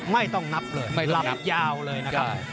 ไม่ต้องนับเลยลำยาวเลยนะครับ